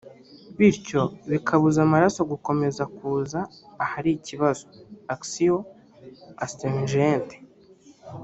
bityo bikabuza amaraso gukomeza kuza ahari ikibazo (action astringente)